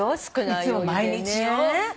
いつも毎日よ。